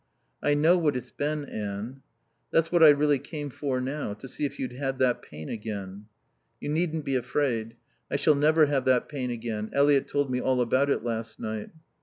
"I know what it's been, Anne." "That's what I really came for now. To see if you'd had that pain again." "You needn't be afraid. I shall never have that pain again. Eliot told me all about it last night."